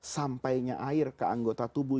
sampainya air ke anggota tubuh